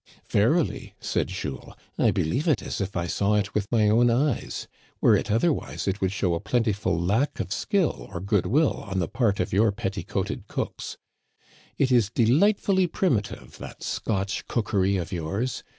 "Verily," said Jules, " I believe it as if I saw it with my own eyes ; were it otherwise it would show a plenti ful lack of skill or good will on the part of your peti coated cooks. It is delightfully primitive, that Scotch cookery of yours.